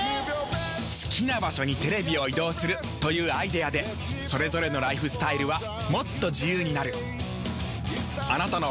好きな場所にテレビを移動するというアイデアでそれぞれのライフスタイルはもっと自由になる。